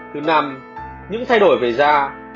thứ năm những thay đổi về da